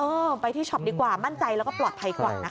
เออไปที่ช็อปดีกว่ามั่นใจแล้วก็ปลอดภัยกว่านะคะ